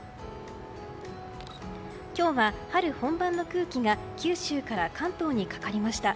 今日は春本番の空気が九州から関東にかかりました。